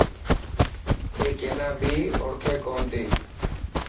اي ڪينا بي اوڙ کي ڪو نتي.